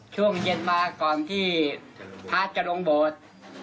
ช่วงเย็นมาก่อนที่ท่านพระอาจารย์ลงโบสถ์